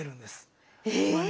え。